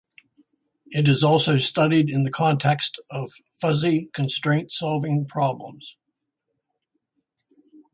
It is also studied in the context of fuzzy constraint solving problems.